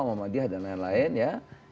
muhammadiyah dan lain lain ya